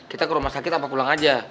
kita ke rumah sakit apa pulang aja